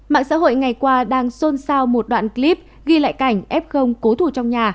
mạng xã hội ngày qua đang xôn xao một đoạn clip ghi lại cảnh f cố thủ trong nhà